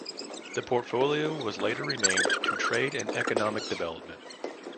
The portfolio was later renamed to Trade and Economic Development.